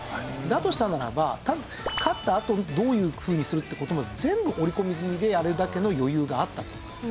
だとしたならば勝ったあとどういうふうにするって事も全部織り込み済みであれだけの余裕があったと。